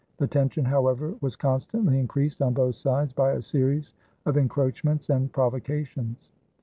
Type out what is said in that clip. The tension, however, was constantly increased on both sides by a series of encroachments and provocations.